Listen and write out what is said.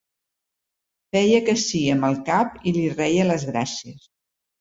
Feia que sí amb el cap i li reia les gràcies.